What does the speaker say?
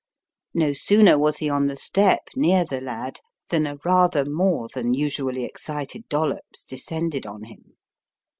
No sooner was he on the step near the lad than a rather more than usually excited Dollops descended on him.